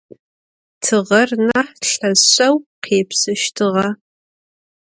Tığer nah lheşşeu khêpsıştığe.